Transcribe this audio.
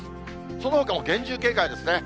そのほかも厳重警戒ですね。